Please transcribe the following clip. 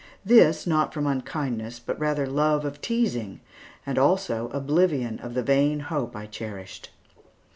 This, not from unkindness, but rather love of teasing, and also oblivion of the vain hope I cherished.